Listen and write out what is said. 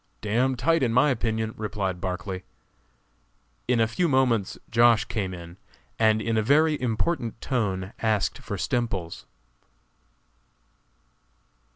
"D d tight, in my opinion," replied Barclay. In a few moments Josh. came in, and in a very important tone asked for Stemples.